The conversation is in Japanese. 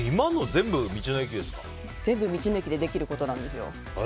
全部、道の駅でできることなんです。